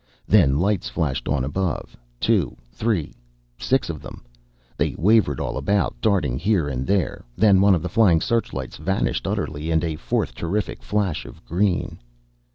Then lights flashed on above. Two three six of them. They wavered all about, darting here and there.... Then one of the flying searchlights vanished utterly in a fourth terrific flash of green.